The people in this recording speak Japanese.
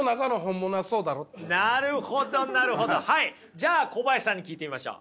じゃあ小林さんに聞いてみましょう。